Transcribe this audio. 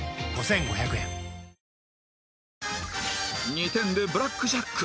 ２点でブラックジャック